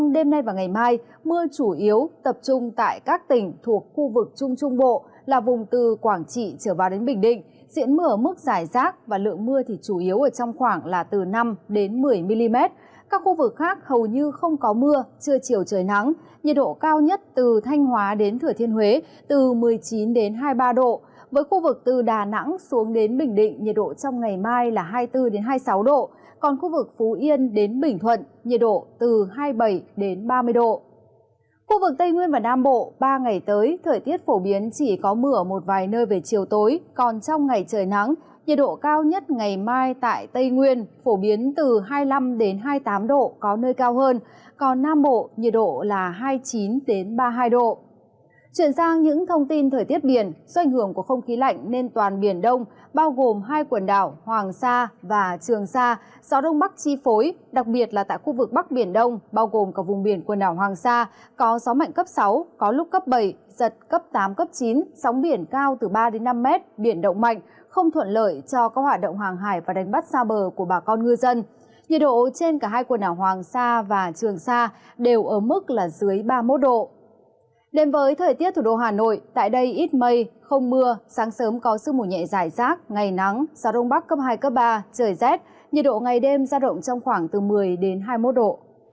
đêm với thời tiết thủ đô hà nội tại đây ít mây không mưa sáng sớm có sức mùa nhẹ dài rác ngày nắng gió đông bắc cấp hai cấp ba trời rét nhiệt độ ngày đêm ra động trong khoảng từ một mươi đến hai mươi một độ